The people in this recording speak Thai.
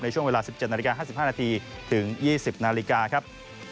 ช่วงเวลา๑๗นาฬิกา๕๕นาทีถึง๒๐นาฬิกาครับ